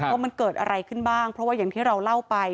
ว่ามันเกิดอะไรขึ้นบ้างเพราะว่าอย่างที่เราเล่าไป